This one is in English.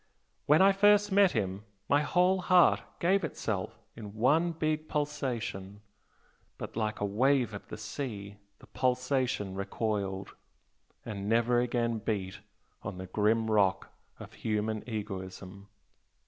When I first met him, my whole heart gave itself in one big pulsation but like a wave of the sea, the pulsation recoiled, and never again beat on the grim rock of human egoism!"